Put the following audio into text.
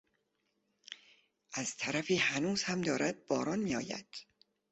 از طرفی هنوز هم دارد باران میآید.